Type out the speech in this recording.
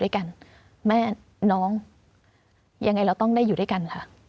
ด้วยกันแม่น้องยังไงเราต้องได้อยู่ด้วยกันค่ะ